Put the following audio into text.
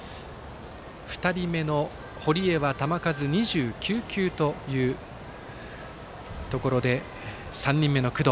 ２人目の堀江は球数２９球というところで３人目の工藤。